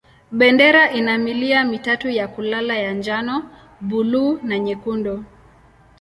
Bendera ina milia mitatu ya kulala ya njano, buluu na nyekundu.